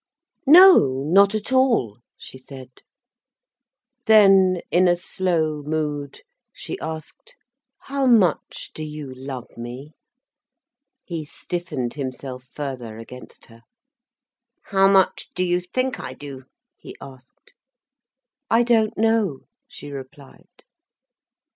"No, not at all," she said. Then, in a slow mood, she asked: "How much do you love me?" He stiffened himself further against her. "How much do you think I do?" he asked. "I don't know," she replied.